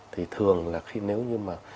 thì thường là khi nếu như mà